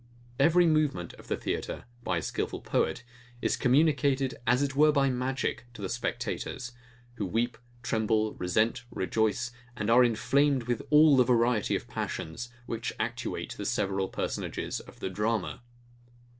Every movement of the theatre, by a skilful poet, is communicated, as it were by magic, to the spectators; who weep, tremble, resent, rejoice, and are inflamed with all the variety of passions, which actuate the several personages of the drama.